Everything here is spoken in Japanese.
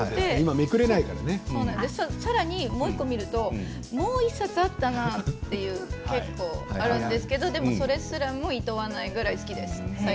さらにもう１個見るともう１冊あったなということもあるんですけれどもそれすらもいとわないくらい好きですね